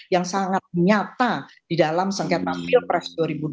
yang sangat nyata di dalam sengketa pilpres dua ribu dua puluh